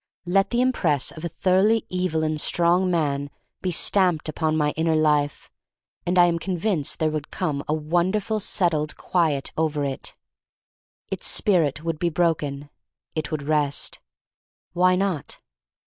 Let the impress of a thoroughly evil and strong man be stamped upon my inner life, and I am convinced there would come a wonder ful settled quiet over it. Its spirit would be broken. It would rest. Why not?